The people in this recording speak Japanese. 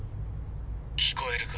聞こえるか？